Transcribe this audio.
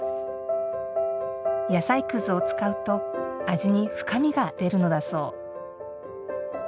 野菜くずを使うと味に深みが出るのだそう。